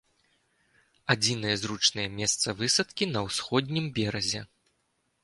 Адзінае зручнае месца высадкі на ўсходнім беразе.